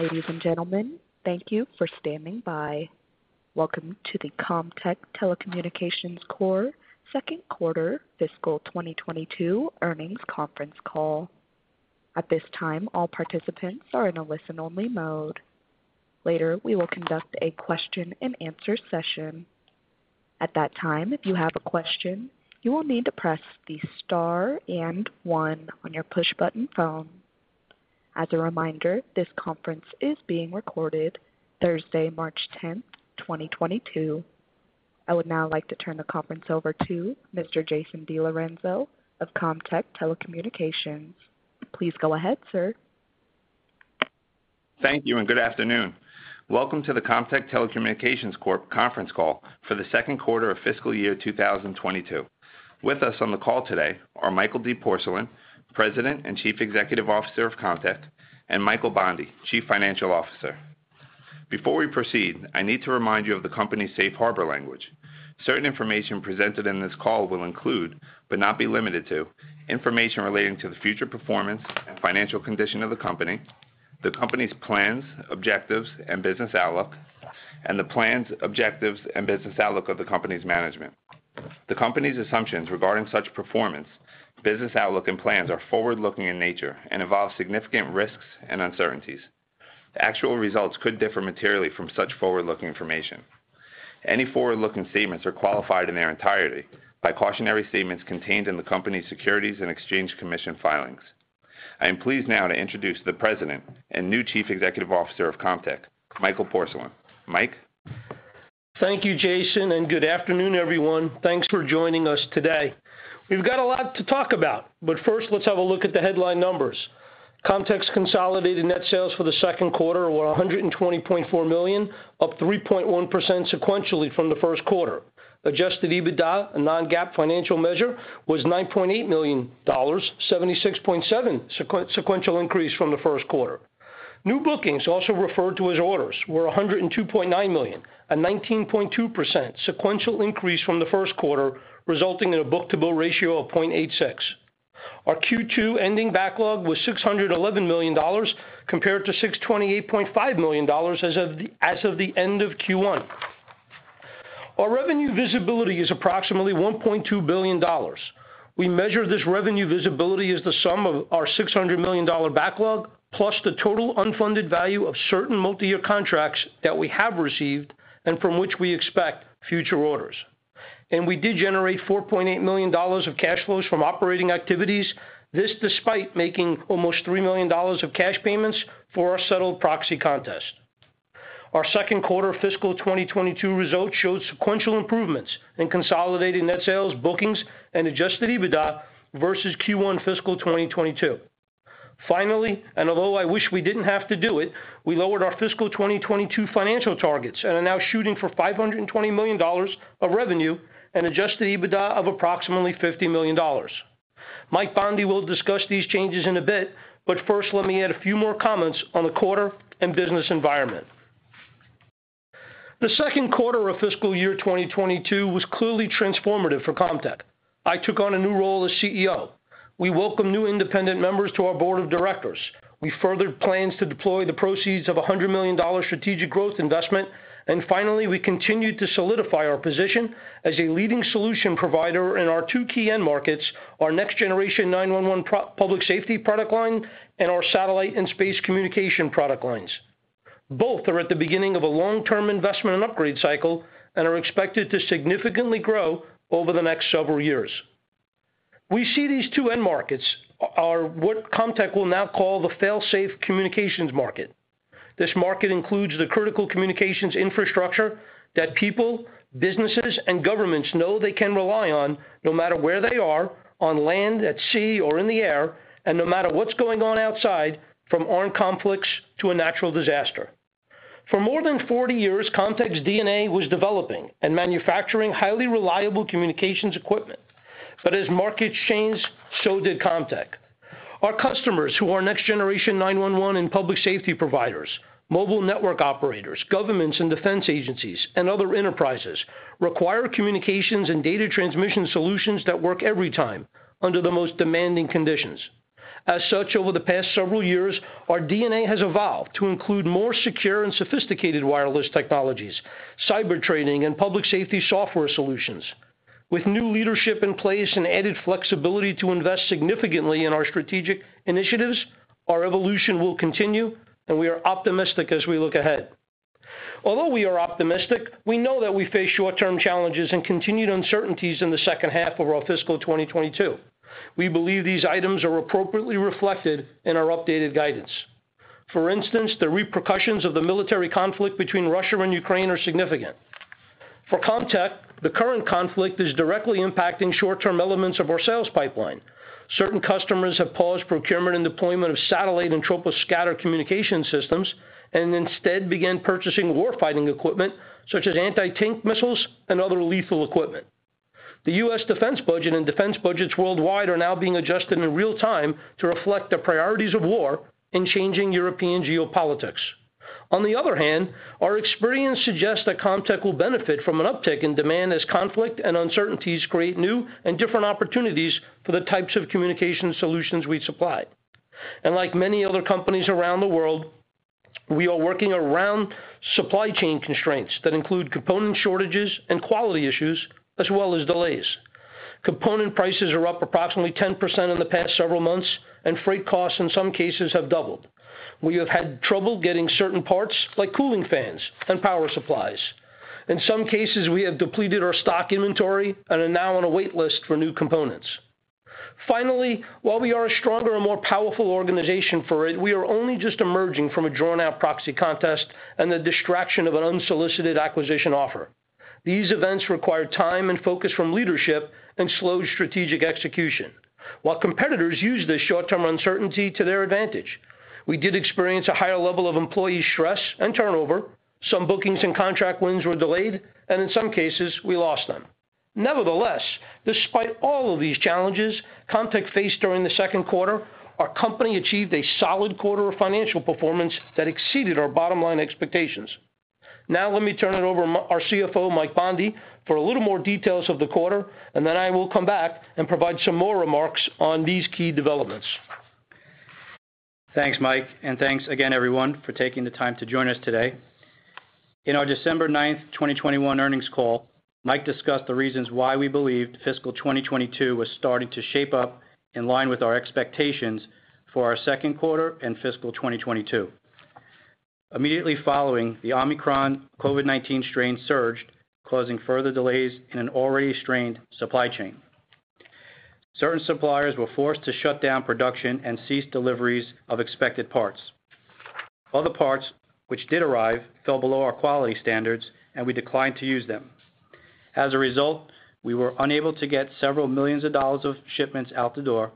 Ladies and gentlemen, thank you for standing by. Welcome to the Comtech Telecommunications Corp Q2 Fiscal 2022 Earnings Conference Call. At this time, all participants are in a listen-only mode. Later, we will conduct a question-and-answer session. At that time, if you have a question, you will need to press the star and one on your push button phone. As a reminder, this conference is being recorded Thursday, 10 March 2022. I would now like to turn the conference over to Mr. Jason DiLorenzo of Comtech Telecommunications. Please go ahead, sir. Thank you and good afternoon. Welcome to the Comtech Telecommunications Corp. conference call for the Q2 of fiscal year 2022. With us on the call today are Michael D. Porcelain, President and Chief Executive Officer of Comtech, and Michael Bondi, Chief Financial Officer. Before we proceed, I need to remind you of the company's safe harbor language. Certain information presented in this call will include, but not be limited to, information relating to the future performance and financial condition of the company, the company's plans, objectives, and business outlook, and the plans, objectives, and business outlook of the company's management. The company's assumptions regarding such performance, business outlook, and plans are forward-looking in nature and involve significant risks and uncertainties. Actual results could differ materially from such forward-looking information. Any forward-looking statements are qualified in their entirety by cautionary statements contained in the company's Securities and Exchange Commission filings. I am pleased now to introduce the President and new Chief Executive Officer of Comtech, Michael Porcelain. Mike? Thank you, Jason, and good afternoon, everyone. Thanks for joining us today. We've got a lot to talk about, but first, let's have a look at the headline numbers. Comtech's consolidated net sales for the Q2 were $120.4 million, up 3.1% sequentially from the Q2. Adjusted EBITDA, a non-GAAP financial measure, was $9.8 million, 76.7% sequential increase from the Q1. New bookings, also referred to as orders, were $102.9 million, a 19.2% sequential increase from the Q1, resulting in a book-to-bill ratio of 0.86. Our Q2 ending backlog was $611 million compared to $628.5 million as of the end of Q1. Our revenue visibility is approximately $1.2 billion. We measure this revenue visibility as the sum of our $600 million backlog, plus the total unfunded value of certain multi-year contracts that we have received and from which we expect future orders. We did generate $4.8 million of cash flows from operating activities. This, despite making almost $3 million of cash payments for our settled proxy contest. Our Q2 fiscal 2022 results showed sequential improvements in consolidated net sales, bookings, and adjusted EBITDA versus Q1 fiscal 2022. Finally, although I wish we didn't have to do it, we lowered our fiscal 2022 financial targets and are now shooting for $520 million of revenue and adjusted EBITDA of approximately $50 million. Mike Bondi will discuss these changes in a bit, but first, let me add a few more comments on the quarter and business environment. The Q2 of fiscal year 2022 was clearly transformative for Comtech. I took on a new role as CEO. We welcome new independent members to our board of directors. We furthered plans to deploy the proceeds of $100 million strategic growth investment. Finally, we continued to solidify our position as a leading solution provider in our two key end markets, our Next Generation 911 public safety product line and our satellite and space communication product lines. Both are at the beginning of a long-term investment and upgrade cycle and are expected to significantly grow over the next several years. We see these two end markets are what Comtech will now call the Failsafe Communications market. This market includes the critical communications infrastructure that people, businesses, and governments know they can rely on no matter where they are on land, at sea, or in the air, and no matter what's going on outside from armed conflicts to a natural disaster. For more than 40 years, Comtech's DNA was developing and manufacturing highly reliable communications equipment. As markets changed, so did Comtech. Our customers, who are Next Generation 911 and public safety providers, mobile network operators, governments and defense agencies, and other enterprises require communications and data transmission solutions that work every time under the most demanding conditions. As such, over the past several years, our DNA has evolved to include more secure and sophisticated wireless technologies, cyber training, and public safety software solutions. With new leadership in place and added flexibility to invest significantly in our strategic initiatives, our evolution will continue, and we are optimistic as we look ahead. Although we are optimistic, we know that we face short-term challenges and continued uncertainties in the second half of our fiscal 2022. We believe these items are appropriately reflected in our updated guidance. For instance, the repercussions of the military conflict between Russia and Ukraine are significant. For Comtech, the current conflict is directly impacting short-term elements of our sales pipeline. Certain customers have paused procurement and deployment of satellite and troposcatter communication systems and instead began purchasing warfighting equipment such as anti-tank missiles and other lethal equipment. The U.S. Defense Budget and defense budgets worldwide are now being adjusted in real time to reflect the priorities of war in changing European geopolitics. On the other hand, our experience suggests that Comtech will benefit from an uptick in demand as conflict and uncertainties create new and different opportunities for the types of communication solutions we supply. Like many other companies around the world, we are working around supply chain constraints that include component shortages and quality issues, as well as delays. Component prices are up approximately 10% in the past several months, and freight costs in some cases have doubled. We have had trouble getting certain parts like cooling fans and power supplies. In some cases, we have depleted our stock inventory and are now on a wait list for new components. Finally, while we are a stronger and more powerful organization for it, we are only just emerging from a drawn-out proxy contest and the distraction of an unsolicited acquisition offer. These events require time and focus from leadership and slowed strategic execution. While competitors use this short-term uncertainty to their advantage, we did experience a higher level of employee stress and turnover. Some bookings and contract wins were delayed, and in some cases, we lost them. Nevertheless, despite all of these challenges Comtech faced during the Q2, our company achieved a solid quarter of financial performance that exceeded our bottom-line expectations. Now let me turn it over to our CFO, Mike Bondi, for a little more details of the quarter, and then I will come back and provide some more remarks on these key developments. Thanks, Mike, and thanks again everyone for taking the time to join us today. In our 9 December 2021 earnings call, Mike discussed the reasons why we believed fiscal 2022 was starting to shape up in line with our expectations for our Q2 and fiscal 2022. Immediately following, the Omicron COVID-19 strain surged, causing further delays in an already strained supply chain. Certain suppliers were forced to shut down production and cease deliveries of expected parts. Other parts which did arrive fell below our quality standards, and we declined to use them. As a result, we were unable to get several million dollars of shipments out the door.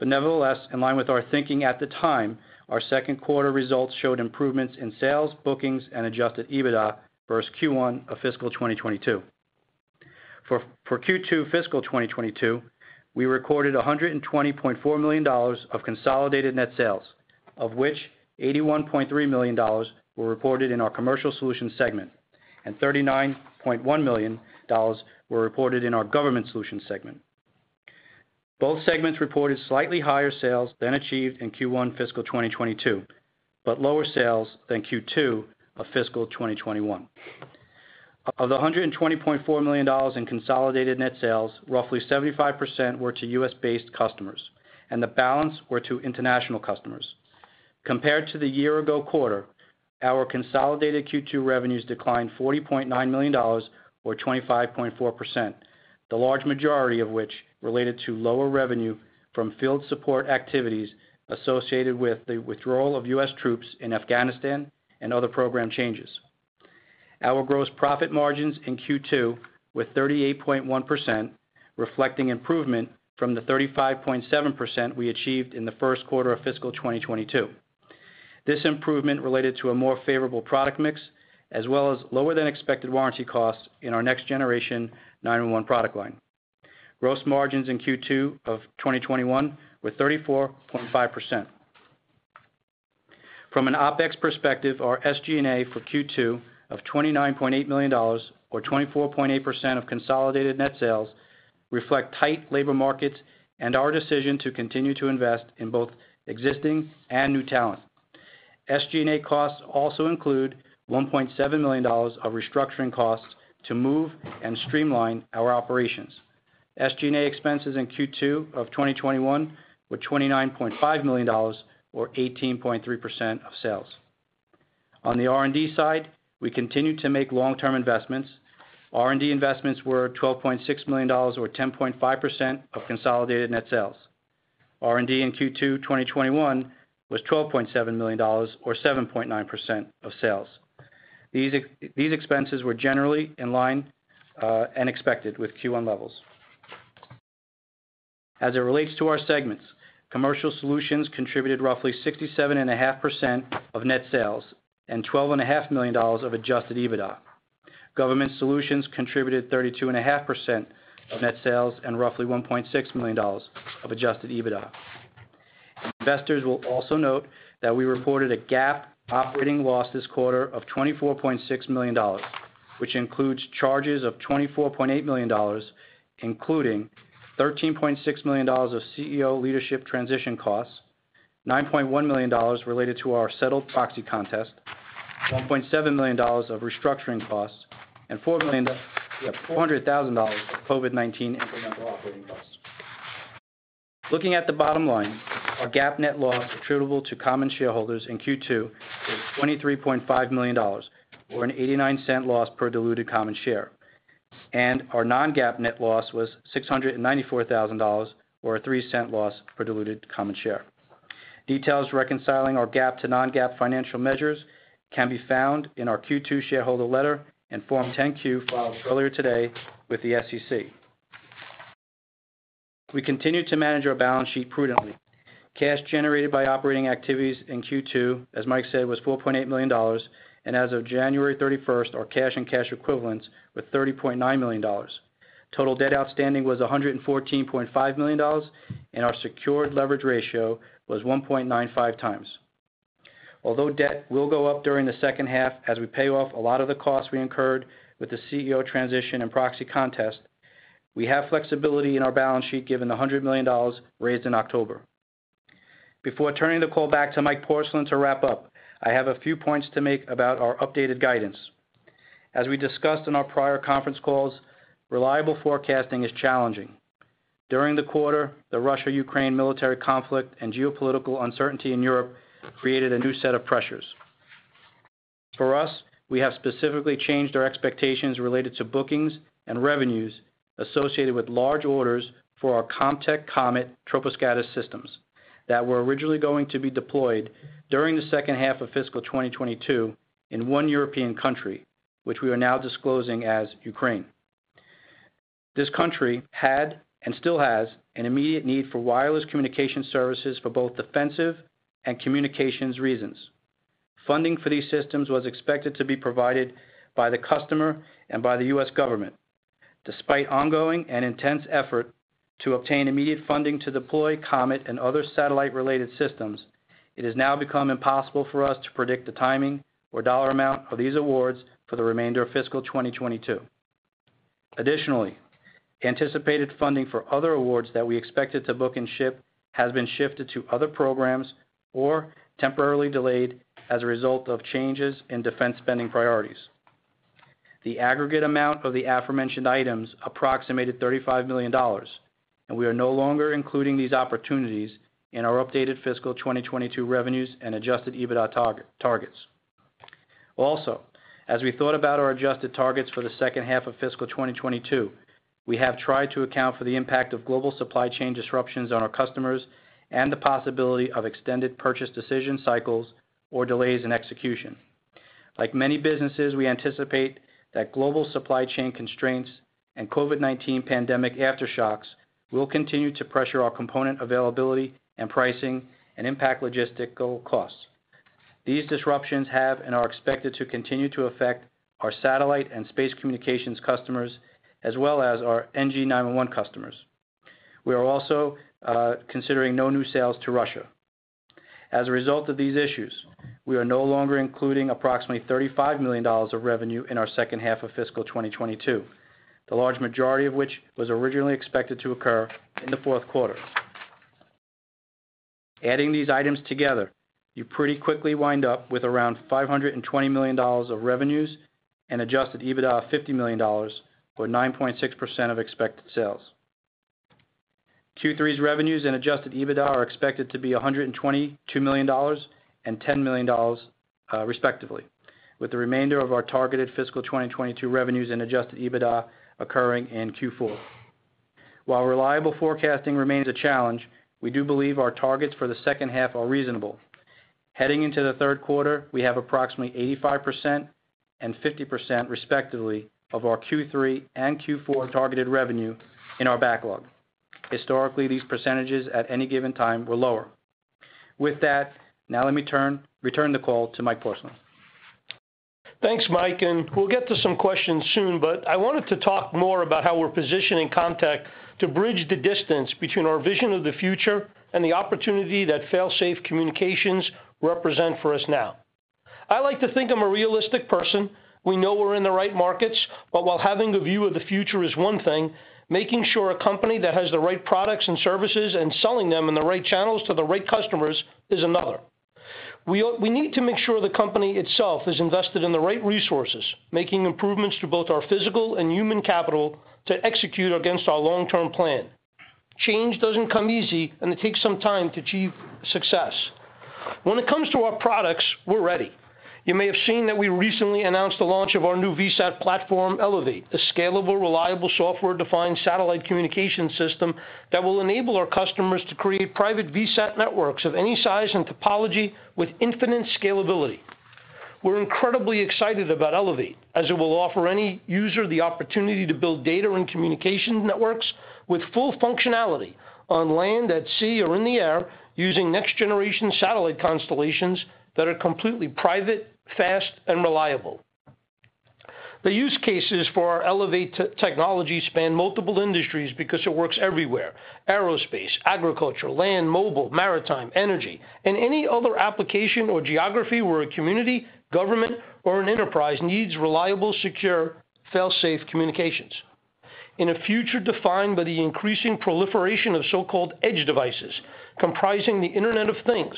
Nevertheless, in line with our thinking at the time, our Q2 results showed improvements in sales, bookings, and adjusted EBITDA versus Q1 of fiscal 2022. For Q2 fiscal 2022, we recorded $120.4 million of consolidated net sales, of which $81.3 million were reported in our Commercial Solutions segment and $39.1 million were reported in our Government Solutions segment. Both segments reported slightly higher sales than achieved in Q1 fiscal 2022, but lower sales than Q2 of fiscal 2021. Of the $120.4 million in consolidated net sales, roughly 75% were to U.S.-based customers, and the balance were to international customers. Compared to the year-ago quarter, our consolidated Q2 revenues declined $40.9 million or 25.4%. The large majority of which related to lower revenue from field support activities associated with the withdrawal of U.S. troops in Afghanistan and other program changes. Our gross profit margins in Q2 were 38.1%, reflecting improvement from the 35.7% we achieved in the Q1 of fiscal 2022. This improvement related to a more favorable product mix as well as lower than expected warranty costs in our Next Generation 911 product line. Gross margins in Q2 of 2021 were 34.5%. From an OpEx perspective, our SG&A for Q2 of $29.8 million or 24.8% of consolidated net sales reflect tight labor markets and our decision to continue to invest in both existing and new talent. SG&A costs also include $1.7 million of restructuring costs to move and streamline our operations. SG&A expenses in Q2 of 2021 were $29.5 million or 18.3% of sales. On the R&D side, we continue to make long-term investments. R&D investments were $12.6 million or 10.5% of consolidated net sales. R&D in Q2, 2021 was $12.7 million or 7.9% of sales. These expenses were generally in line and expected with Q1 levels. As it relates to our segments, Commercial Solutions contributed roughly 67.5% of net sales and $12.5 million of adjusted EBITDA. Government Solutions contributed 32.5% of net sales and roughly $1.6 million of adjusted EBITDA. Investors will also note that we reported a GAAP operating loss this quarter of $24.6 million, which includes charges of $24.8 million, including $13.6 million of CEO leadership transition costs, $9.1 million related to our settled proxy contest, $1.7 million of restructuring costs, and $400,000 of COVID-19 incremental operating costs. Looking at the bottom line, our GAAP net loss attributable to common shareholders in Q2 was $23.5 million or a $0.89 loss per diluted common share. Our non-GAAP net loss was $694,000 or a $0.03 loss per diluted common share. Details reconciling our GAAP to non-GAAP financial measures can be found in our Q2 shareholder letter and Form 10-Q filed earlier today with the SEC. We continue to manage our balance sheet prudently. Cash generated by operating activities in Q2, as Mike said, was $4.8 million. As of 31 January our cash and cash equivalents were $30.9 million. Total debt outstanding was $114.5 million, and our secured leverage ratio was 1.95x. Although debt will go up during the second half as we pay off a lot of the costs we incurred with the CEO transition and proxy contest, we have flexibility in our balance sheet given the $100 million raised in October. Before turning the call back to Mike Porcelain to wrap up, I have a few points to make about our updated guidance. As we discussed in our prior conference calls, reliable forecasting is challenging. During the quarter, the Russia-Ukraine military conflict and geopolitical uncertainty in Europe created a new set of pressures. For us, we have specifically changed our expectations related to bookings and revenues associated with large orders for our Comtech COMET troposcatter systems that were originally going to be deployed during the second half of fiscal 2022 in one European country, which we are now disclosing as Ukraine. This country had and still has an immediate need for wireless communication services for both defensive and communications reasons. Funding for these systems was expected to be provided by the customer and by the U.S. government. Despite ongoing and intense effort to obtain immediate funding to deploy COMET and other satellite-related systems, it has now become impossible for us to predict the timing or dollar amount of these awards for the remainder of fiscal 2022. Additionally, anticipated funding for other awards that we expected to book and ship has been shifted to other programs or temporarily delayed as a result of changes in defense spending priorities. The aggregate amount of the aforementioned items approximated $35 million, and we are no longer including these opportunities in our updated fiscal 2022 revenues and adjusted EBITDA targets. Also, as we thought about our adjusted targets for the second half of fiscal 2022, we have tried to account for the impact of global supply chain disruptions on our customers and the possibility of extended purchase decision cycles or delays in execution. Like many businesses, we anticipate that global supply chain constraints and COVID-19 pandemic aftershocks will continue to pressure our component availability and pricing and impact logistical costs. These disruptions have and are expected to continue to affect our satellite and space communications customers, as well as our NG911 customers. We are also considering no new sales to Russia. As a result of these issues, we are no longer including approximately $35 million of revenue in our second half of fiscal 2022, the large majority of which was originally expected to occur in the Q4. Adding these items together, you pretty quickly wind up with around $520 million of revenues and adjusted EBITDA of $50 million, or 9.6% of expected sales. Q3's revenues and adjusted EBITDA are expected to be $122 million and $10 million, respectively, with the remainder of our targeted fiscal 2022 revenues and adjusted EBITDA occurring in Q4. While reliable forecasting remains a challenge, we do believe our targets for the second half are reasonable. Heading into the third quarter, we have approximately 85% and 50%, respectively, of our Q3 and Q4 targeted revenue in our backlog. Historically, these percentages at any given time were lower. With that, now let me return the call to Mike Porcelain. Thanks, Mike, and we'll get to some questions soon, but I wanted to talk more about how we're positioning Comtech to bridge the distance between our vision of the future and the opportunity that Failsafe Communications represent for us now. I like to think I'm a realistic person. We know we're in the right markets, but while having the view of the future is one thing, making sure a company that has the right products and services and selling them in the right channels to the right customers is another. We need to make sure the company itself is invested in the right resources, making improvements to both our physical and human capital to execute against our long-term plan. Change doesn't come easy, and it takes some time to achieve success. When it comes to our products, we're ready. You may have seen that we recently announced the launch of our new VSAT platform, ELEVATE, a scalable, reliable, software-defined satellite communication system that will enable our customers to create private VSAT networks of any size and topology with infinite scalability. We're incredibly excited about ELEVATE, as it will offer any user the opportunity to build data and communication networks with full functionality on land, at sea, or in the air using next-generation satellite constellations that are completely private, fast, and reliable. The use cases for our ELEVATE technology span multiple industries because it works everywhere: aerospace, agriculture, land, mobile, maritime, energy, and any other application or geography where a community, government, or an enterprise needs reliable, secure, Failsafe Communications. In a future defined by the increasing proliferation of so-called edge devices comprising the Internet of Things,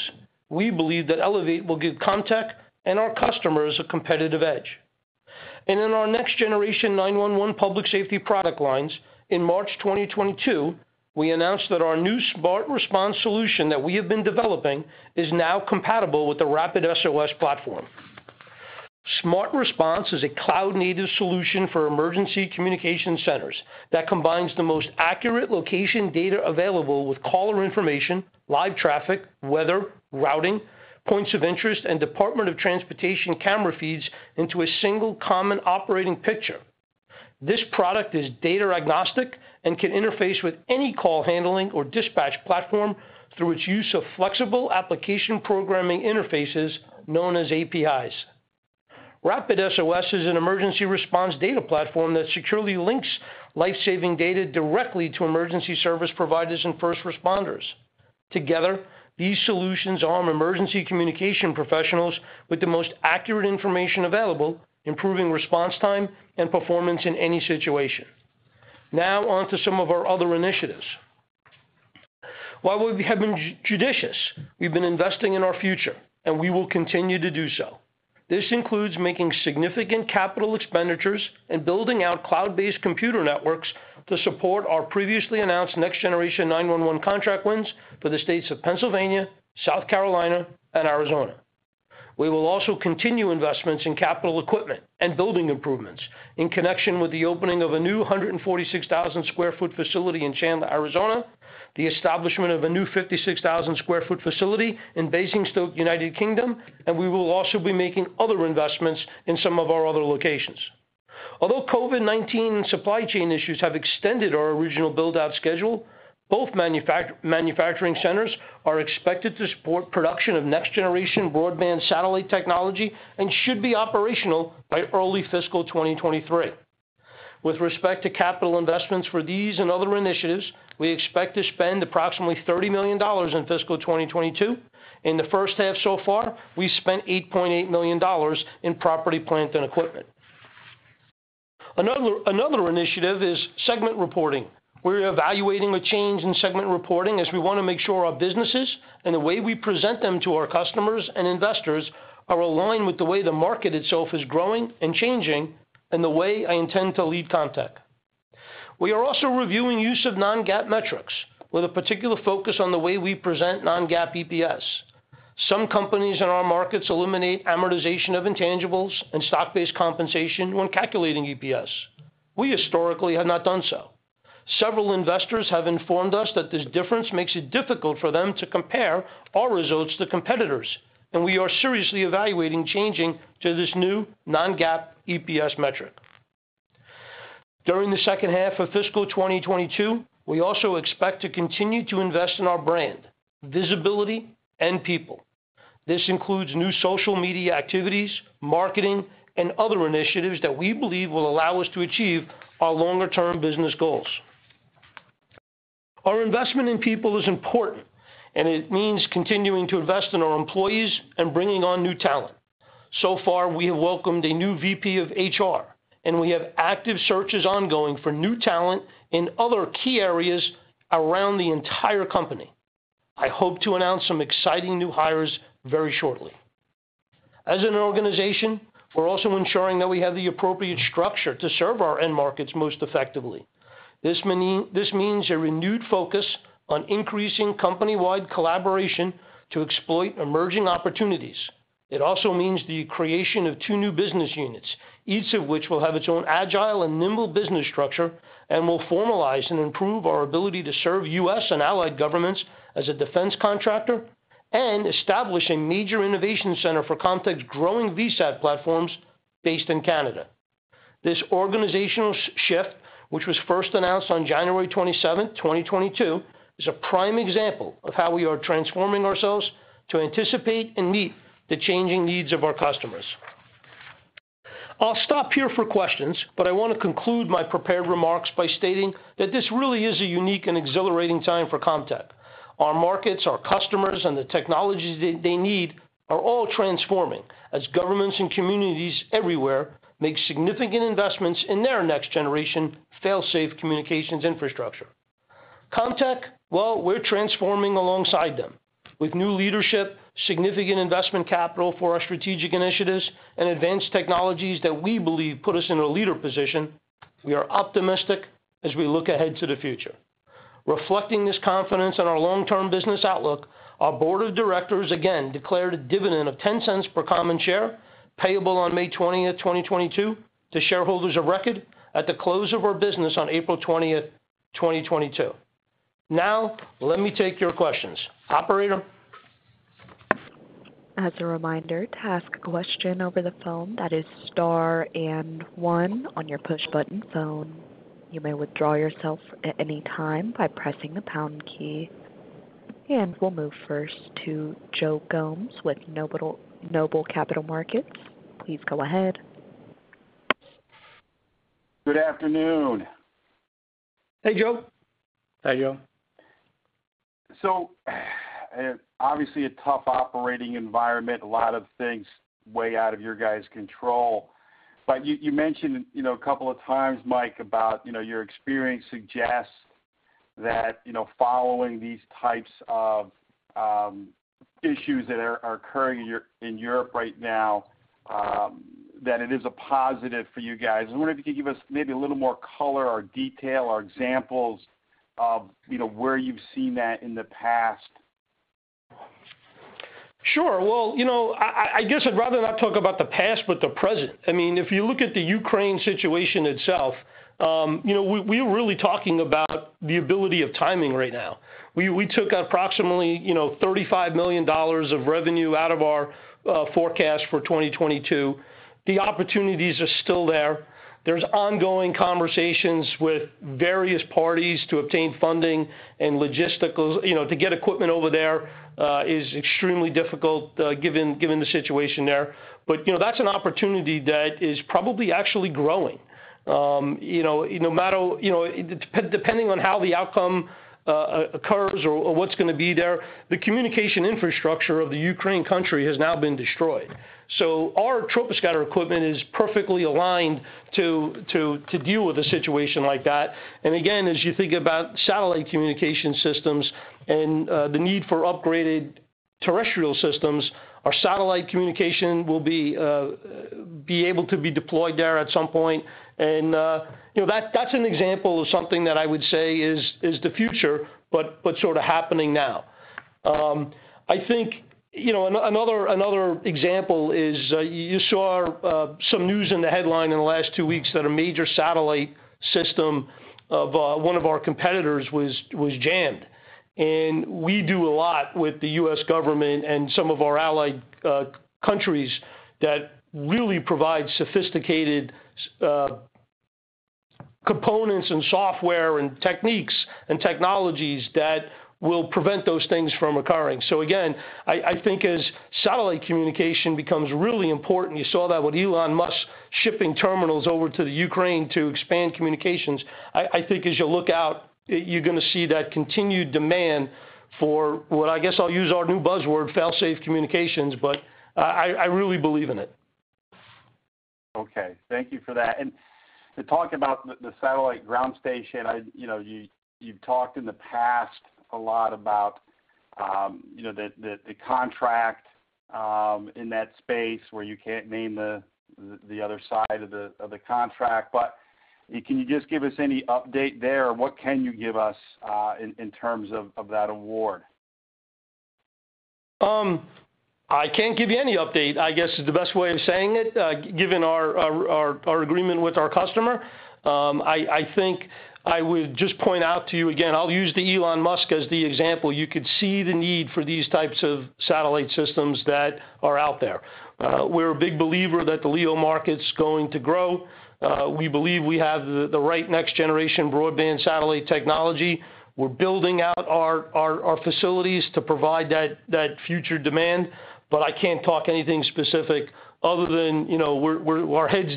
we believe that ELEVATE will give Comtech and our customers a competitive edge. In our Next Generation 911 public safety product lines, in March 2022, we announced that our new SmartResponse solution that we have been developing is now compatible with the RapidSOS platform. SmartResponse is a cloud-native solution for emergency communication centers that combines the most accurate location data available with caller information, live traffic, weather, routing, points of interest, and Department of Transportation camera feeds into a single common operating picture. This product is data agnostic and can interface with any call handling or dispatch platform through its use of flexible application programming interfaces known as APIs. RapidSOS is an emergency response data platform that securely links life-saving data directly to emergency service providers and first responders. Together, these solutions arm emergency communication professionals with the most accurate information available, improving response time and performance in any situation. Now on to some of our other initiatives. While we have been judicious, we've been investing in our future, and we will continue to do so. This includes making significant capital expenditures and building out cloud-based computer networks to support our previously announced Next Generation 911 contract wins for the states of Pennsylvania, South Carolina, and Arizona. We will also continue investments in capital equipment and building improvements in connection with the opening of a new 146,000 sq ft facility in Chandler, Arizona, the establishment of a new 56,000 sq ft facility in Basingstoke, United Kingdom, and we will also be making other investments in some of our other locations. Although COVID-19 supply chain issues have extended our original build-out schedule, both manufacturing centers are expected to support production of next-generation broadband satellite technology and should be operational by early fiscal 2023. With respect to capital investments for these and other initiatives, we expect to spend approximately $30 million in fiscal 2022. In the first half so far, we spent $8.8 million in property, plant, and equipment. Another initiative is segment reporting. We're evaluating a change in segment reporting as we want to make sure our businesses and the way we present them to our customers and investors are aligned with the way the market itself is growing and changing and the way I intend to lead Comtech. We are also reviewing use of non-GAAP metrics, with a particular focus on the way we present non-GAAP EPS. Some companies in our markets eliminate amortization of intangibles and stock-based compensation when calculating EPS. We historically have not done so. Several investors have informed us that this difference makes it difficult for them to compare our results to competitors, and we are seriously evaluating changing to this new non-GAAP EPS metric. During the second half of fiscal 2022, we also expect to continue to invest in our brand, visibility, and people. This includes new social media activities, marketing, and other initiatives that we believe will allow us to achieve our longer-term business goals. Our investment in people is important, and it means continuing to invest in our employees and bringing on new talent. So far, we have welcomed a new VP of HR, and we have active searches ongoing for new talent in other key areas around the entire company. I hope to announce some exciting new hires very shortly. As an organization, we're also ensuring that we have the appropriate structure to serve our end markets most effectively. This means a renewed focus on increasing company-wide collaboration to exploit emerging opportunities. It also means the creation of two new business units, each of which will have its own agile and nimble business structure and will formalize and improve our ability to serve U.S. and allied governments as a defense contractor and establish a major innovation center for Comtech's growing VSAT platforms based in Canada. This organizational shift, which was first announced on 27 January 2022, is a prime example of how we are transforming ourselves to anticipate and meet the changing needs of our customers. I'll stop here for questions, but I want to conclude my prepared remarks by stating that this really is a unique and exhilarating time for Comtech. Our markets, our customers, and the technologies they need are all transforming as governments and communities everywhere make significant investments in their next-generation Failsafe Communications infrastructure. Comtech, well, we're transforming alongside them. With new leadership, significant investment capital for our strategic initiatives, and advanced technologies that we believe put us in a leader position, we are optimistic as we look ahead to the future. Reflecting this confidence in our long-term business outlook, our board of directors again declared a dividend of $0.10 per common share payable on 20 May 2022 to shareholders of record at the close of our business on 20 April 2022. Now let me take your questions. Operator? As a reminder, to ask a question over the phone, that is star and one on your push button phone. You may withdraw yourself at any time by pressing the pound key. We'll move first to Joe Gomes with Noble Capital Markets. Please go ahead. Good afternoon. Hey, Joe. Hi, Joe. Obviously a tough operating environment, a lot of things way out of your guys' control. You mentioned, you know, a couple of times, Mike, about, you know, your experience suggests that, you know, following these types of issues that are occurring in Europe right now, that it is a positive for you guys. I wonder if you could give us maybe a little more color or detail or examples of, you know, where you've seen that in the past. Sure. Well, you know, I guess I'd rather not talk about the past but the present. I mean, if you look at the Ukraine situation itself, we're really talking about the ability of timing right now. We took approximately $35 million of revenue out of our forecast for 2022. The opportunities are still there. There's ongoing conversations with various parties to obtain funding and logistical to get equipment over there is extremely difficult given the situation there. That's an opportunity that is probably actually growing. No matter depending on how the outcome occurs or what's gonna be there, the communication infrastructure of the Ukraine country has now been destroyed. Our troposcatter equipment is perfectly aligned to deal with a situation like that. Again, as you think about satellite communication systems and the need for upgraded terrestrial systems, our satellite communication will be able to be deployed there at some point. You know, that's an example of something that I would say is the future, but sort of happening now. I think, you know, another example is you saw some news in the headline in the last two weeks that a major satellite system of one of our competitors was jammed. We do a lot with the U.S. government and some of our allied countries that really provide sophisticated components and software and techniques and technologies that will prevent those things from occurring. Again, I think as satellite communication becomes really important, you saw that with Elon Musk shipping terminals over to the Ukraine to expand communications. I think as you look out, you're gonna see that continued demand for what I guess I'll use our new buzzword, Failsafe Communications, but I really believe in it. Okay. Thank you for that. To talk about the satellite ground station, you know, you've talked in the past a lot about the contract in that space where you can't name the other side of the contract. Can you just give us any update there? What can you give us in terms of that award? I can't give you any update, I guess, is the best way of saying it, given our agreement with our customer. I think I would just point out to you again, I'll use Elon Musk as the example. You could see the need for these types of satellite systems that are out there. We're a big believer that the LEO market's going to grow. We believe we have the right next generation broadband satellite technology. We're building out our facilities to provide that future demand. I can't talk anything specific other than, you know, we're heads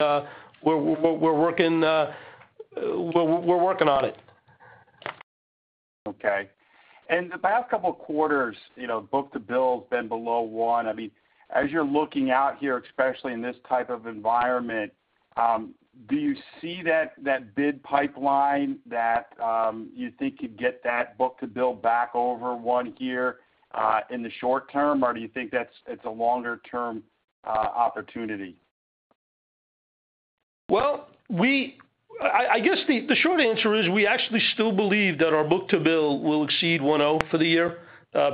down, we're working on it. Okay. The past couple of quarters, you know, book-to-bill's been below 1. I mean, as you're looking out here, especially in this type of environment, do you see that bid pipeline that you think you'd get that book-to-bill back over 1 here, in the short term, or do you think that's a longer term opportunity? I guess the short answer is we actually still believe that our book-to-bill will exceed 1.0 for the year,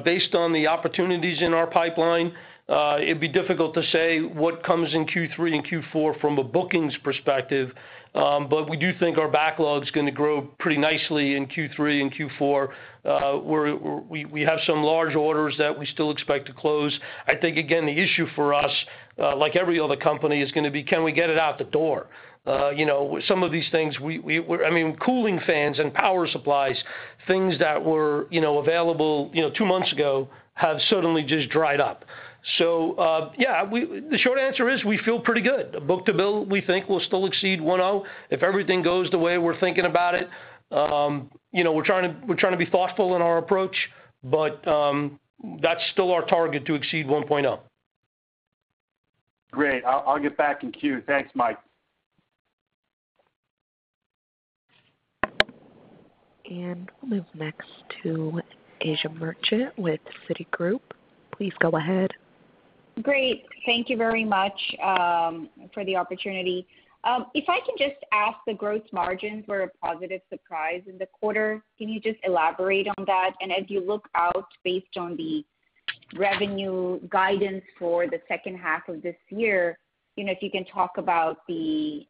based on the opportunities in our pipeline. It'd be difficult to say what comes in Q3 and Q4 from a bookings perspective. We do think our backlog's gonna grow pretty nicely in Q3 and Q4. We have some large orders that we still expect to close. I think, again, the issue for us, like every other company, is gonna be can we get it out the door? You know, some of these things I mean, cooling fans and power supplies, things that were available two months ago have suddenly just dried up. Yeah, the short answer is we feel pretty good. book-to-bill, we think will still exceed 1.0, if everything goes the way we're thinking about it. You know, we're trying to be thoughtful in our approach, but that's still our target to exceed 1.0. Great. I'll get back in queue. Thanks, Mike. We'll move next to Asiya Merchant with Citigroup. Please go ahead. Great. Thank you very much for the opportunity. If I can just ask, the gross margins were a positive surprise in the quarter. Can you just elaborate on that? As you look out based on the revenue guidance for the second half of this year, you know, if you can talk about the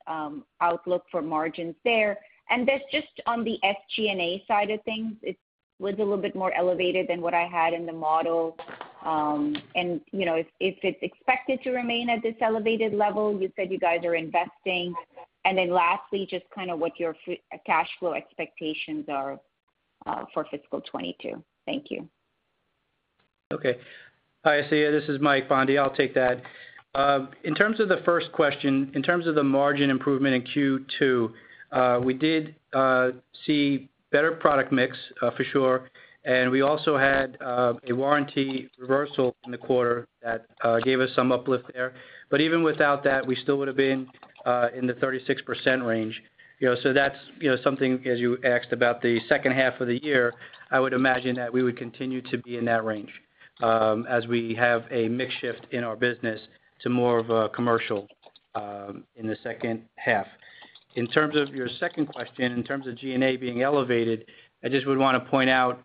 outlook for margins there. That's just on the SG&A side of things. It was a little bit more elevated than what I had in the model. You know, if it's expected to remain at this elevated level, you said you guys are investing. Then lastly, just kind of what your free cash flow expectations are for fiscal 2022. Thank you. Okay. Hi, Asiya. This is Mike Bondi. I'll take that. In terms of the first question, in terms of the margin improvement in Q2, we did see better product mix for sure. We also had a warranty reversal in the quarter that gave us some uplift there. Even without that, we still would have been in the 36% range. You know, so that's, you know, something as you asked about the second half of the year, I would imagine that we would continue to be in that range as we have a mix shift in our business to more of a commercial In the second half. In terms of your second question, in terms of G&A being elevated, I just would want to point out,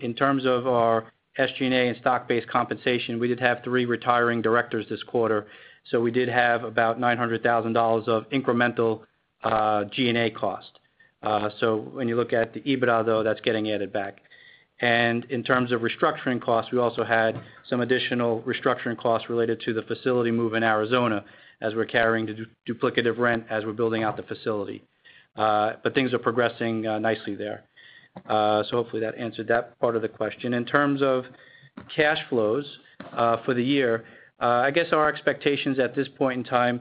in terms of our SG&A and stock-based compensation, we did have three retiring directors this quarter, so we did have about $900,000 of incremental G&A cost. So when you look at the EBITDA, though, that's getting added back. In terms of restructuring costs, we also had some additional restructuring costs related to the facility move in Arizona as we're carrying the duplicative rent as we're building out the facility. Things are progressing nicely there. Hopefully that answered that part of the question. In terms of cash flows, for the year, I guess our expectations at this point in time,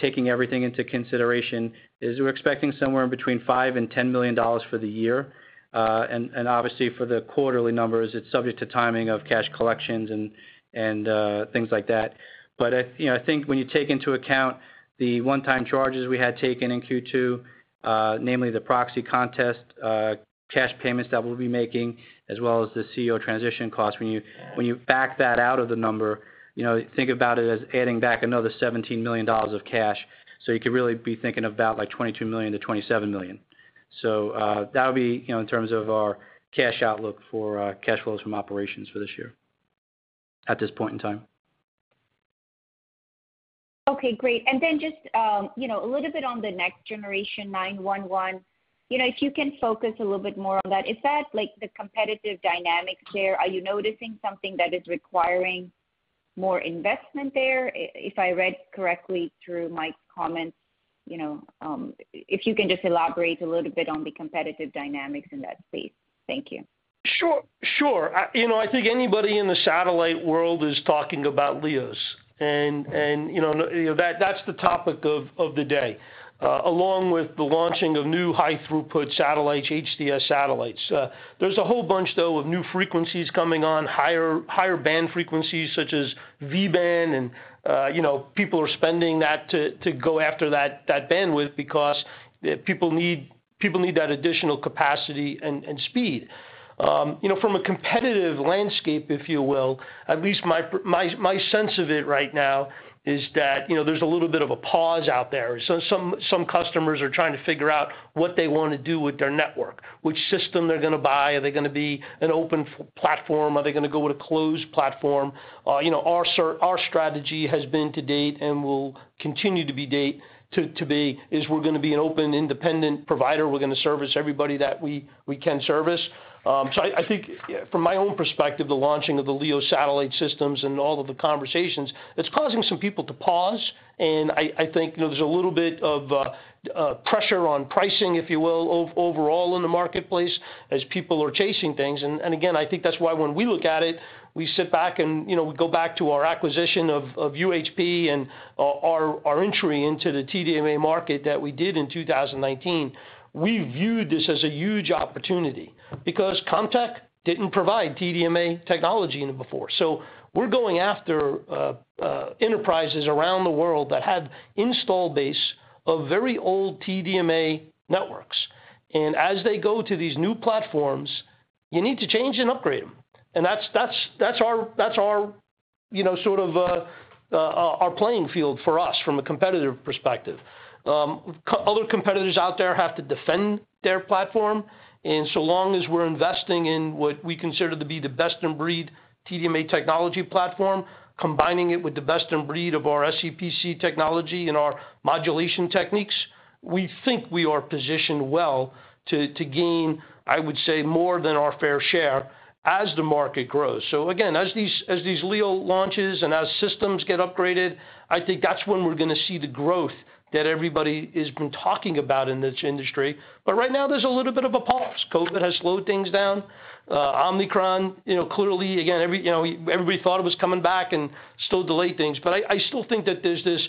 taking everything into consideration, is we're expecting somewhere between $5 million and $10 million for the year. And obviously for the quarterly numbers, it's subject to timing of cash collections and things like that. But you know, I think when you take into account the one-time charges we had taken in Q2, namely the proxy contest, cash payments that we'll be making, as well as the CEO transition costs, when you back that out of the number, you know, think about it as adding back another $17 million of cash. You could really be thinking about, like, $22 million to $27 million. That'll be, you know, in terms of our cash outlook for cash flows from operations for this year at this point in time. Okay, great. Just, you know, a little bit on the Next Generation 911. You know, if you can focus a little bit more on that. Is that, like, the competitive dynamics there? Are you noticing something that is requiring more investment there? If I read correctly through Mike's comments, you know, if you can just elaborate a little bit on the competitive dynamics in that space. Thank you. Sure. You know, I think anybody in the satellite world is talking about LEOs and that's the topic of the day along with the launching of new high throughput satellites, HTS satellites. There's a whole bunch, though, of new frequencies coming on, higher band frequencies such as V-band and you know, people are spending that to go after that bandwidth because people need that additional capacity and speed. You know, from a competitive landscape, if you will, at least my sense of it right now is that you know, there's a little bit of a pause out there. Some customers are trying to figure out what they wanna do with their network, which system they're gonna buy. Are they gonna be an open platform? Are they gonna go with a closed platform? You know, our strategy has been to date and will continue to be an open independent provider. We're gonna service everybody that we can service. So I think from my own perspective, the launching of the LEO satellite systems and all of the conversations, it's causing some people to pause. I think, you know, there's a little bit of pressure on pricing, if you will, overall in the marketplace as people are chasing things. Again, I think that's why when we look at it, we sit back and, you know, we go back to our acquisition of UHP and our entry into the TDMA market that we did in 2019. We viewed this as a huge opportunity because Comtech didn't provide TDMA technology in it before. We're going after enterprises around the world that had installed base of very old TDMA networks. As they go to these new platforms, you need to change and upgrade them. That's our, you know, sort of, our playing field for us from a competitive perspective. Other competitors out there have to defend their platform. So long as we're investing in what we consider to be the best in breed TDMA technology platform, combining it with the best in breed of our SCPC technology and our modulation techniques, we think we are positioned well to gain, I would say, more than our fair share as the market grows. Again, as these LEO launches and as systems get upgraded, I think that's when we're gonna see the growth that everybody has been talking about in this industry. But right now, there's a little bit of a pause. COVID has slowed things down. Omicron, you know, clearly, again, everybody thought it was coming back and still delayed things. But I still think that there's this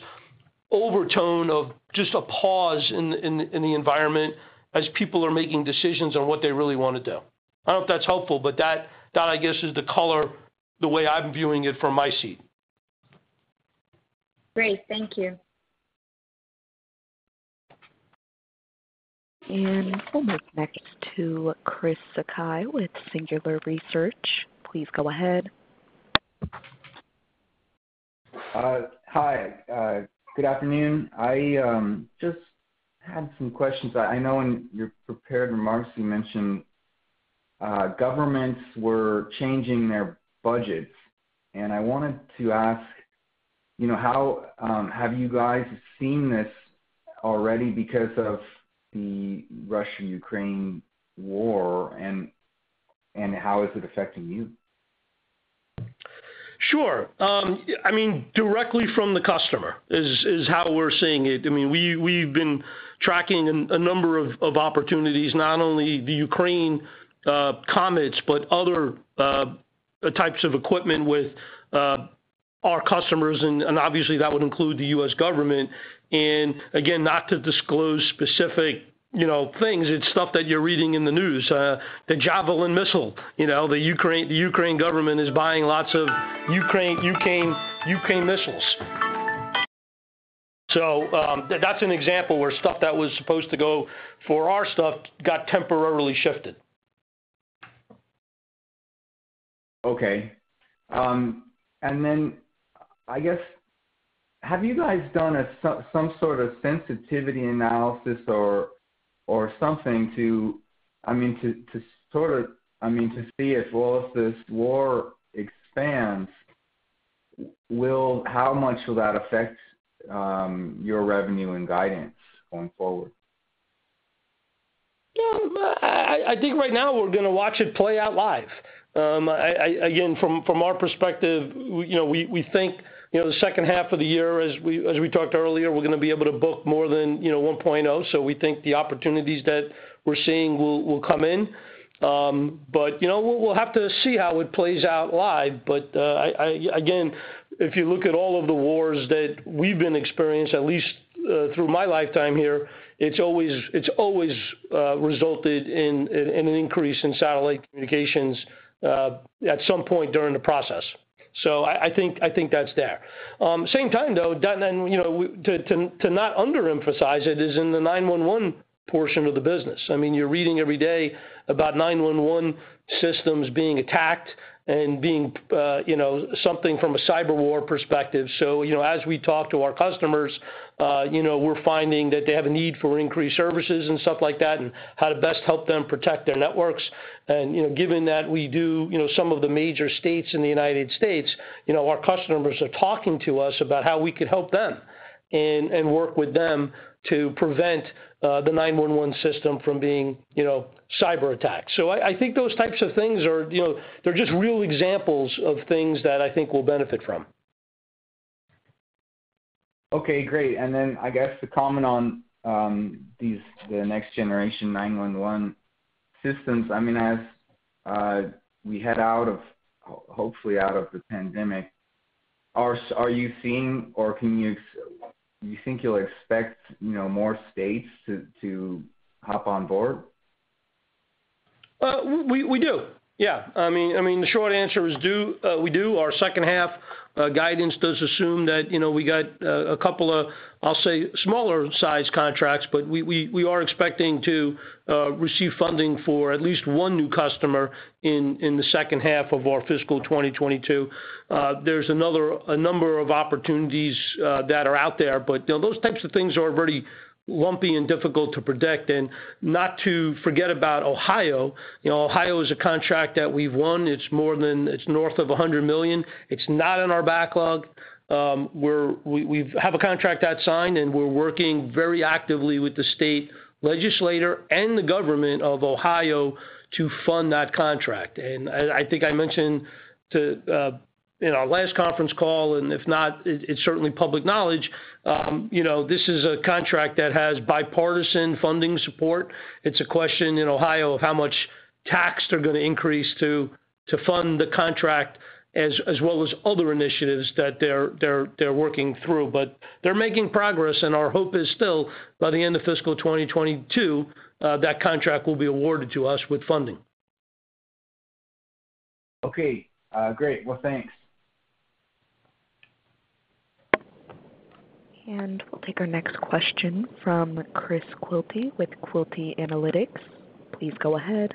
overtone of just a pause in the environment as people are making decisions on what they really wanna do. I don't know if that's helpful, but that I guess is the color, the way I'm viewing it from my seat. Great. Thank you. We'll move next to Chris Sakai with Singular Research. Please go ahead. Hi. Good afternoon. I just had some questions. I know in your prepared remarks, you mentioned governments were changing their budgets, and I wanted to ask, you know, how have you guys seen this already because of the Russia-Ukraine war, and how is it affecting you? Sure. I mean, directly from the customer is how we're seeing it. I mean, we've been tracking a number of opportunities, not only the Ukraine COMETs, but other types of equipment with our customers and obviously that would include the U.S. government. Again, not to disclose specific, you know, things, it's stuff that you're reading in the news. The Javelin missile, you know, the Ukraine government is buying lots of Ukraine missiles. That's an example where stuff that was supposed to go for our stuff got temporarily shifted. Okay. I guess, have you guys done some sort of sensitivity analysis or something to, I mean, to see as well as this war expands, how much will that affect your revenue and guidance going forward? Yeah, I think right now we're gonna watch it play out live. Again, from our perspective, you know, we think, you know, the second half of the year as we talked earlier, we're gonna be able to book more than, you know, 1.0, so we think the opportunities that we're seeing will come in. But, you know, we'll have to see how it plays out live. But I, again, if you look at all of the wars that we've experienced, at least through my lifetime here, it's always resulted in an increase in satellite communications at some point during the process. So I think that's there. At the same time, though, then, you know, to not underemphasize it, is in the 911 portion of the business. I mean, you're reading every day about 911 systems being attacked and, you know, something from a cyber war perspective. You know, as we talk to our customers, you know, we're finding that they have a need for increased services and stuff like that, and how to best help them protect their networks. You know, given that we do, you know, some of the major states in the United States, you know, our customers are talking to us about how we could help them and work with them to prevent the 911 system from being, you know, cyberattacked. I think those types of things are, you know, they're just real examples of things that I think we'll benefit from. Okay, great. I guess to comment on the Next Generation 911 systems. I mean, as we hopefully head out of the pandemic, are you seeing, or can you think you'll expect, you know, more states to hop on board? We do. Yeah. I mean, the short answer is, we do. Our second half guidance does assume that, you know, we got a couple of, I'll say, smaller size contracts, but we are expecting to receive funding for at least one new customer in the second half of our fiscal 2022. There's a number of opportunities that are out there, but, you know, those types of things are very lumpy and difficult to predict. Not to forget about Ohio. You know, Ohio is a contract that we've won. It's north of $100 million. It's not in our backlog. We have a contract that's signed, and we're working very actively with the state legislature and the government of Ohio to fund that contract. I think I mentioned in our last conference call, and if not, it's certainly public knowledge, you know, this is a contract that has bipartisan funding support. It's a question in Ohio of how much tax they're gonna increase to fund the contract as well as other initiatives that they're working through. They're making progress, and our hope is still, by the end of fiscal 2022, that contract will be awarded to us with funding. Okay. Great. Well, thanks. We'll take our next question from Chris Quilty with Quilty Analytics. Please go ahead.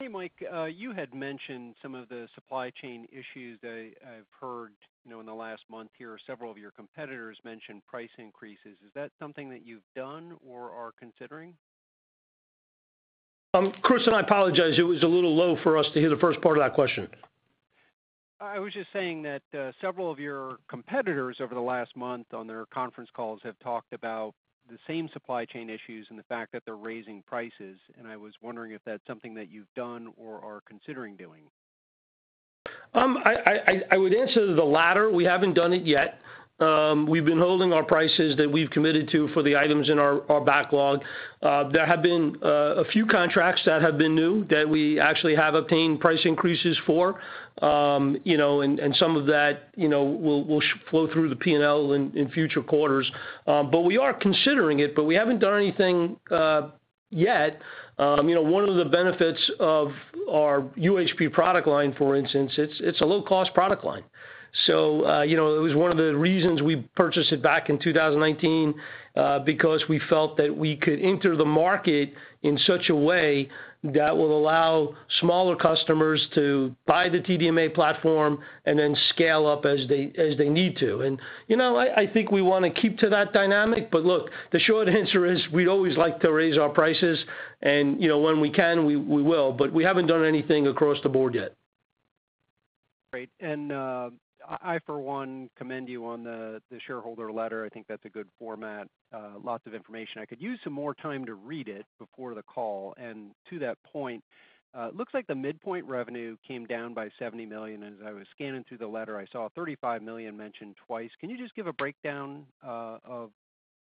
Hey, Mike, you had mentioned some of the supply chain issues. I've heard, you know, in the last month here, several of your competitors mention price increases. Is that something that you've done or are considering? Chris, I apologize, it was a little low for us to hear the first part of that question. I was just saying that several of your competitors over the last month on their conference calls have talked about the same supply chain issues and the fact that they're raising prices, and I was wondering if that's something that you've done or are considering doing? I would answer the latter. We haven't done it yet. We've been holding our prices that we've committed to for the items in our backlog. There have been a few contracts that have been new that we actually have obtained price increases for. You know, and some of that, you know, will flow through the P&L in future quarters. We are considering it, but we haven't done anything yet. You know, one of the benefits of our UHP product line, for instance, it's a low-cost product line. you know, it was one of the reasons we purchased it back in 2019, because we felt that we could enter the market in such a way that will allow smaller customers to buy the TDMA platform and then scale up as they need to. you know, I think we wanna keep to that dynamic. look, the short answer is, we always like to raise our prices and, you know, when we can, we will, but we haven't done anything across the board yet. Great. I for one commend you on the shareholder letter. I think that's a good format. Lots of information. I could use some more time to read it before the call. To that point, looks like the midpoint revenue came down by $70 million. As I was scanning through the letter, I saw $35 million mentioned twice. Can you just give a breakdown of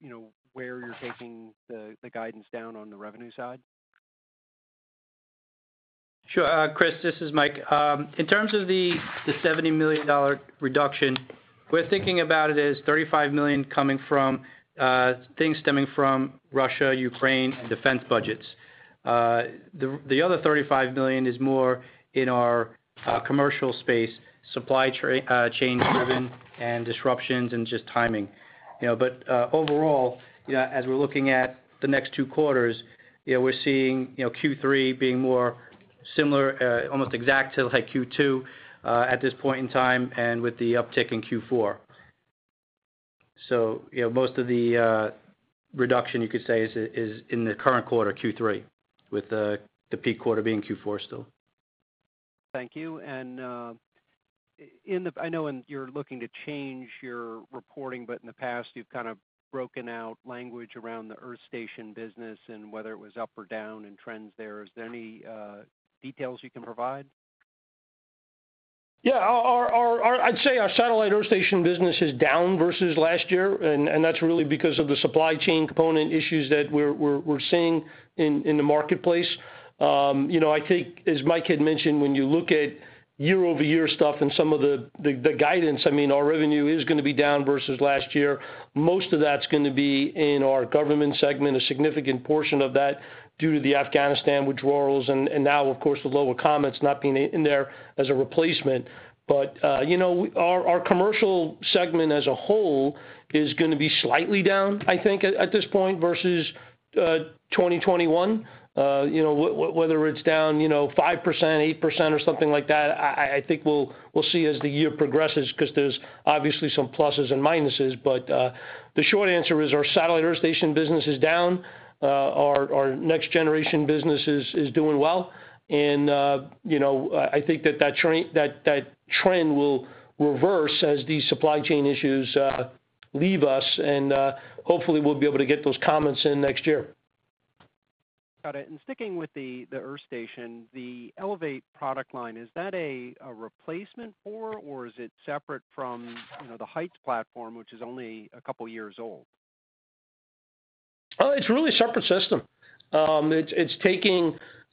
you know where you're taking the guidance down on the revenue side? Sure. Chris, this is Mike. In terms of the $70 million reduction, we're thinking about it as $35 million coming from things stemming from Russia, Ukraine, and defense budgets. The other $35 million is more in our commercial space, supply chain driven and disruptions and just timing. You know, overall, you know, as we're looking at the next two quarters, you know, we're seeing, you know, Q3 being more similar, almost exact to like Q2, at this point in time and with the uptick in Q4. Most of the reduction you could say is in the current quarter Q3, with the peak quarter being Q4 still. Thank you. I know you're looking to change your reporting, but in the past, you've kind of broken out language around the earth station business and whether it was up or down and trends there. Is there any details you can provide? Yeah. Our satellite earth station business is down versus last year, and that's really because of the supply chain component issues that we're seeing in the marketplace. You know, I think as Mike had mentioned, when you look at year-over-year stuff and some of the guidance, I mean, our revenue is gonna be down versus last year. Most of that's gonna be in our government segment, a significant portion of that due to the Afghanistan withdrawals and now of course, with lower COMETs not being in there as a replacement. You know, our commercial segment as a whole is gonna be slightly down, I think, at this point versus 2021. You know, whether it's down, you know, 5%, 8% or something like that, I think we'll see as the year progresses because there's obviously some pluses and minuses. The short answer is our satellite earth station business is down. Our next generation business is doing well. You know, I think that trend will reverse as these supply chain issues leave us and hopefully we'll be able to get those COMETs in next year. Got it. Sticking with the earth station, the ELEVATE product line, is that a replacement for or is it separate from, you know, the Heights Platform, which is only a couple years old? It's really a separate system.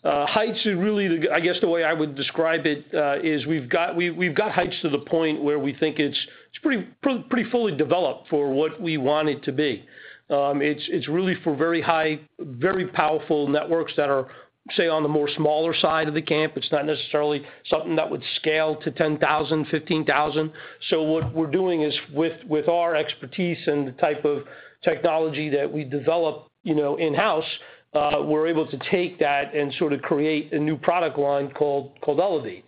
Heights is really the—I guess the way I would describe it is we've got Heights to the point where we think it's pretty fully developed for what we want it to be. It's really for very high, very powerful networks that are, say, on the more smaller side of the camp. It's not necessarily something that would scale to 10,000, 15,000. What we're doing is with our expertise and the type of technology that we develop, you know, in-house, we're able to take that and sort of create a new product line called ELEVATE.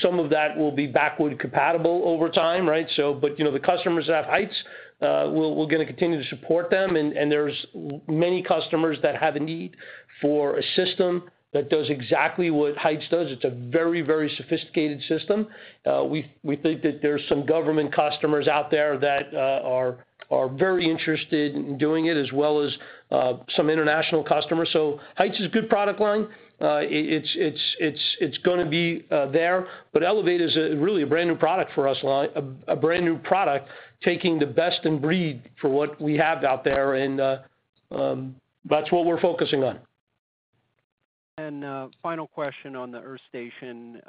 Some of that will be backward compatible over time, right? You know, the customers that have Heights, we're gonna continue to support them. There's many customers that have a need for a system that does exactly what Heights does. It's a very sophisticated system. We think that there's some government customers out there that are very interested in doing it, as well as some international customers. Heights is a good product line. It's gonna be there, but ELEVATE is really a brand new product for us. Like a brand new product taking the best in breed for what we have out there and that's what we're focusing on. Final question on the earth station.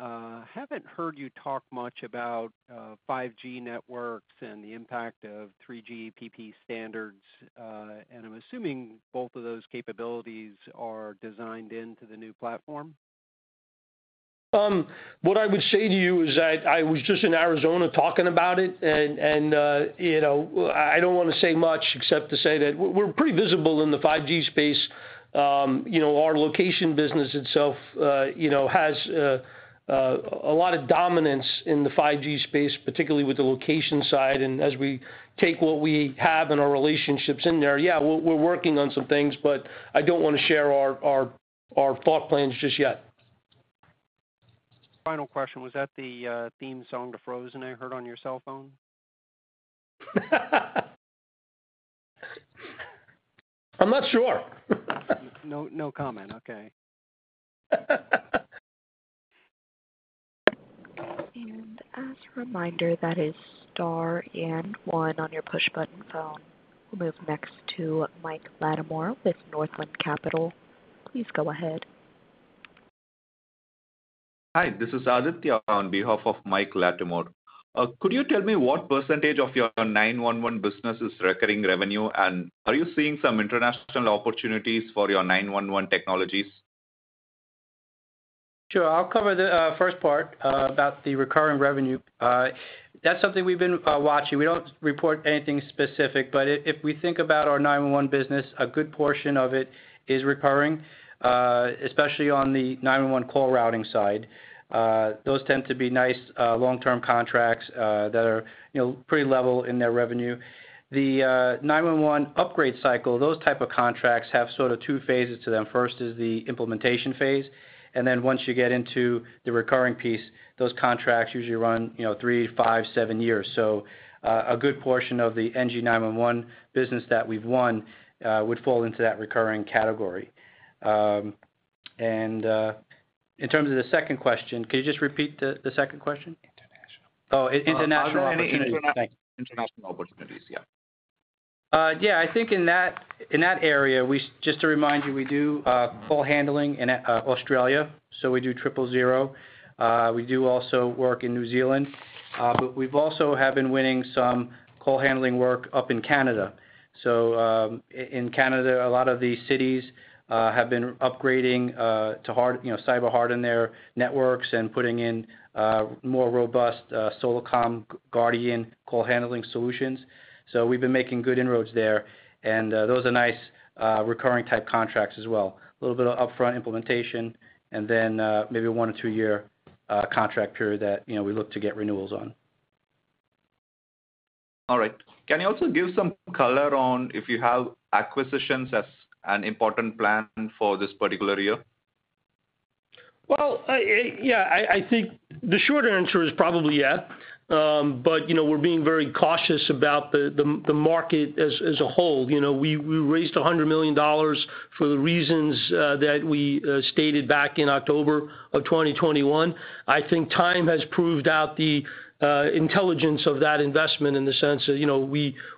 Haven't heard you talk much about 5G networks and the impact of 3GPP standards. I'm assuming both of those capabilities are designed into the new platform. What I would say to you is I was just in Arizona talking about it and, you know, I don't wanna say much except to say that we're pretty visible in the 5G space. You know, our location business itself, you know, has a lot of dominance in the 5G space, particularly with the location side. As we take what we have and our relationships in there, yeah, we're working on some things, but I don't wanna share our thought plans just yet. Final question, was that the theme song to Frozen I heard on your cell phone? I'm not sure. No, no comment. Okay. As a reminder, that is star and one on your push button phone. We'll move next to Mike Latimore with Northland Capital. Please go ahead. Hi, this is Aditya on behalf of Mike Latimore. Could you tell me what percentage of your 911 business is recurring revenue, and are you seeing some international opportunities for your 911 technologies? Sure. I'll cover the first part about the recurring revenue. That's something we've been watching. We don't report anything specific, but if we think about our 911 business, a good portion of it is recurring, especially on the 911 call routing side. Those tend to be nice long-term contracts that are, you know, pretty level in their revenue. The 911 upgrade cycle, those type of contracts have sort of two phases to them. First is the implementation phase, and then once you get into the recurring piece, those contracts usually run, you know, three, five, seven years. A good portion of the NG911 business that we've won would fall into that recurring category. In terms of the second question, could you just repeat the second question? International. Oh, international opportunities. Are there any international opportunities? Yeah. Yeah. I think in that area, just to remind you, we do call handling in Australia, so we do Triple Zero. We also work in New Zealand. We've also been winning some call handling work up in Canada. In Canada, a lot of these cities have been upgrading, you know, to cyber-harden their networks and putting in more robust Solacom Guardian call handling solutions. We've been making good inroads there, and those are nice recurring type contracts as well. A little bit of upfront implementation and then maybe a one-two-year contract period that, you know, we look to get renewals on. All right. Can you also give some color on if you have acquisitions as an important plan for this particular year? I think the short answer is probably yeah. You know, we're being very cautious about the market as a whole. You know, we raised $100 million for the reasons that we stated back in October of 2021. I think time has proved out the intelligence of that investment in the sense that, you know,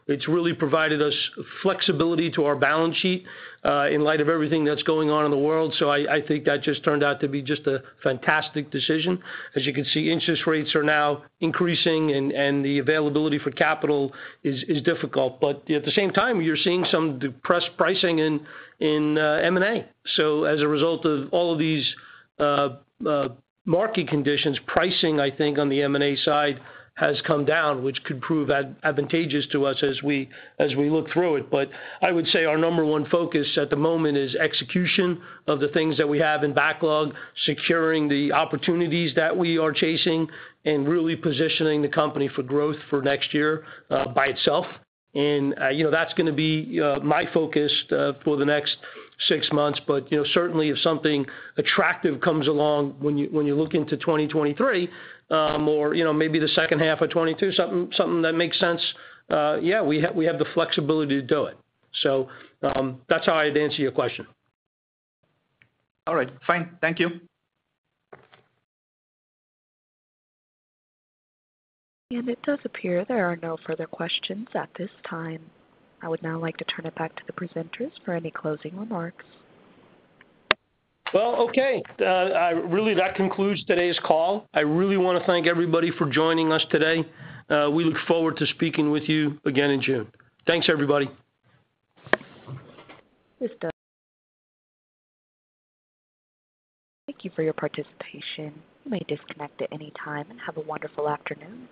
it's really provided us flexibility to our balance sheet in light of everything that's going on in the world. I think that just turned out to be just a fantastic decision. As you can see, interest rates are now increasing and the availability for capital is difficult. At the same time, you're seeing some depressed pricing in M&A. As a result of all of these market conditions, pricing, I think on the M&A side has come down, which could prove advantageous to us as we look through it. I would say our number one focus at the moment is execution of the things that we have in backlog, securing the opportunities that we are chasing, and really positioning the company for growth for next year, by itself. You know, that's gonna be my focus for the next six months. You know, certainly if something attractive comes along when you look into 2023, or, you know, maybe the second half of 2022, something that makes sense, yeah, we have the flexibility to do it. That's how I'd answer your question. All right, fine. Thank you. It does appear there are no further questions at this time. I would now like to turn it back to the presenters for any closing remarks. Well, okay. Really, that concludes today's call. I really wanna thank everybody for joining us today. We look forward to speaking with you again in June. Thanks, everybody. This does-- Thank you for your participation. You may disconnect at any time and have a wonderful afternoon.